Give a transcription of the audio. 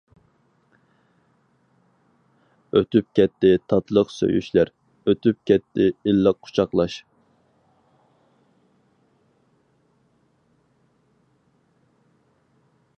ئۆتۈپ كەتتى تاتلىق سۆيۈشلەر، ئۆتۈپ كەتتى ئىللىق قۇچاقلاش.